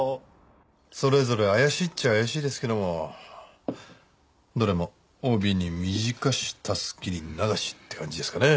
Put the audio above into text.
それぞれ怪しいっちゃ怪しいですけどもどれも「帯に短し襷に長し」って感じですかね。